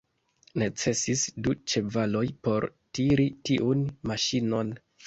Necesis du ĉevaloj por tiri tiun maŝinon.